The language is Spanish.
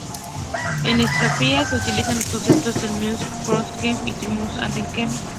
En estratigrafía, se utilizan los conceptos terminus post quem y terminus ante quem.